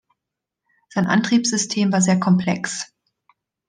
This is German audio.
Sein Antriebssystem war sehr komplex.